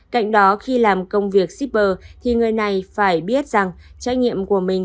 cạnh đó khi làm công việc shipper thì người này phải biết rằng trách nhiệm của mình